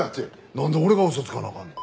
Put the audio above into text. なんで俺が嘘つかなあかんの。